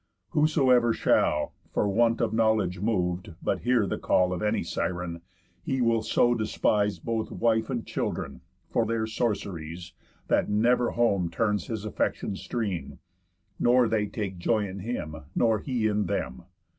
Whosoever shall, For want of knowledge mov'd, but hear the call Of any Siren, he will so despise Both wife and children, for their sorceries, That never home turns his affection's stream, Nor they take joy in him, nor he in them.